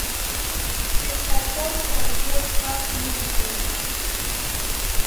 د کارګرو مولدیت په پام کې نه نیسي.